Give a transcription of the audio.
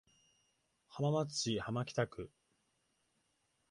浜松市浜北区